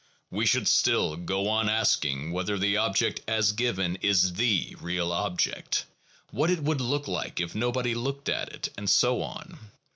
We should still go on asking whether the object as given is the real object, what it would look like if nobody looked at it, and so on.